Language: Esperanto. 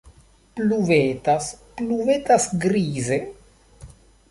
Pluvetas, pluvetas grize.